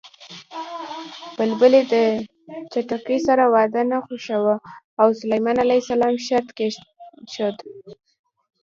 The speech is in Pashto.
بلبلې د چتکي سره واده نه خوښاوه او سلیمان ع شرط کېښود